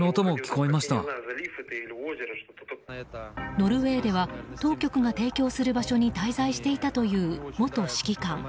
ノルウェーでは当局が提供する場所に滞在していたという元指揮官。